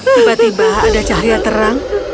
tiba tiba ada cahaya terang